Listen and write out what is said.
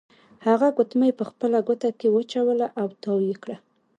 هغه ګوتمۍ په خپله ګوته کې واچوله او تاو یې کړه.